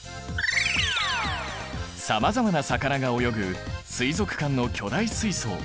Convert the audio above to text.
さまざまな魚が泳ぐ水族館の巨大水槽。